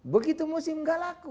begitu musim enggak laku